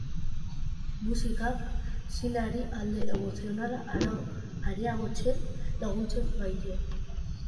Musikak, zineari alde emozionala areagotzen laguntzen baitio.